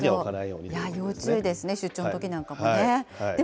要注意ですね、出張のときなんかもね。